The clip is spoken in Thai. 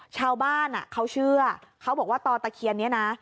ชาวบ้านเขาเชื่อเขาบอกว่าต่อตะเคียนนี้นะ